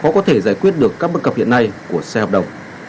có thể giải quyết được các bất cập hiện nay của xe hợp đồng